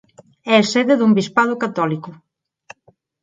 É sede dun bispado católico.